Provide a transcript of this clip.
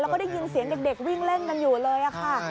แล้วก็ได้ยินเสียงเด็กวิ่งเล่นกันอยู่เลยค่ะ